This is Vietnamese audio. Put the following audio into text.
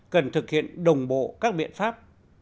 cần thực hiện đồng bộ các biện pháp